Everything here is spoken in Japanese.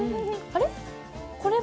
あれ？